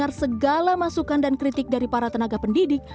mendengar segala masukan dan kritik dari para tenaga pendidik